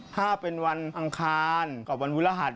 ถ้าเป็นวันอังคารกับวันพุรหัส